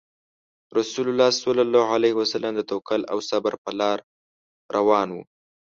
رسول الله صلى الله عليه وسلم د توکل او صبر په لار روان وو.